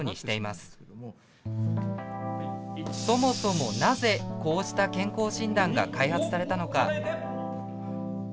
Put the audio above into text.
そもそもなぜこうした健康診断が開発されたのか。